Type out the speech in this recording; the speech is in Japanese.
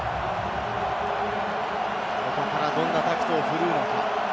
ここからどんなタクトを振るのか？